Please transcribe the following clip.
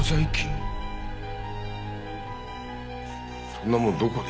そんなものどこで？